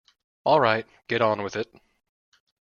All right, get on with it.